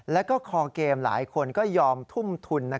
แล้วก็คอเกมหลายคนก็ยอมทุ่มทุน